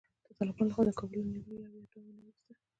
د طالبانو له خوا د کابل له نیولو یوه یا دوې اوونۍ وروسته